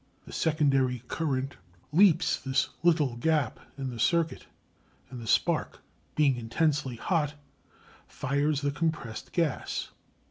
The secondary current leaps this little gap in the circuit, and the spark, being intensely hot, fires the compressed gas.